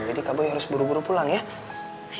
jadi kak boy harus buru buru pulang ya